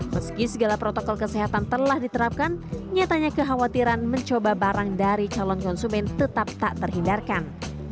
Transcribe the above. meski segala protokol kesehatan telah diterapkan nyatanya kekhawatiran mencoba barang dari calon konsumen tetap tak terhindarkan